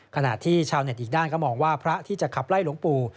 ขณะที่ชาวเน็ตอีกด้านก็มองว่าพระที่จะขับไล่หลวงปู่